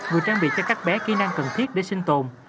vừa trang bị cho các bé kỹ năng cần thiết để sinh tồn